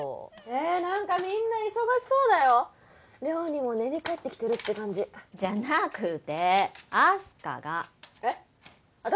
え何かみんな忙しそうだよ寮にも寝に帰ってきてるって感じじゃなくてあす花がえっ私？